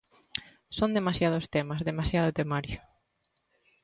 Son demasiados temas, demasiado temario.